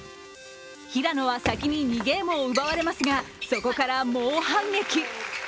平野は、先に２ゲームを奪われますが、そこから猛反撃。